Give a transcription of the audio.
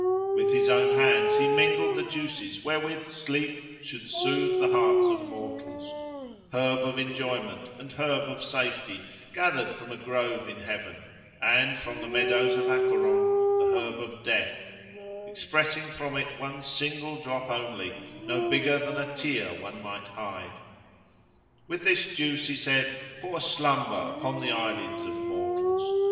With his own hands he mingled the juices wherewith Sleep should soothe the hearts of mortals—herb of Enjoyment and herb of Safety, gathered from a grove in Heaven; and, from the meadows of Acheron, the herb of Death; expressing from it one single drop only, no bigger than a tear one might hide. 'With this juice,' he said, 'pour slumber upon the eyelids of mortals.